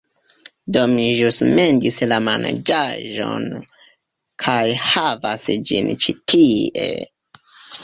Do mi ĵus mendis la manĝaĵon, kaj havas ĝin ĉi tie...